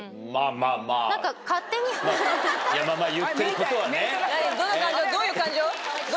まぁまぁまぁ言ってることはね。